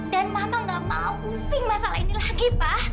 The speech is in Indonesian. dan mama nggak mau pusing masalah ini lagi pa